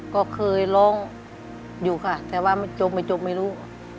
ก็เคยร้องอยู่ค่ะแต่ว่ามันจบไม่จบไม่รู้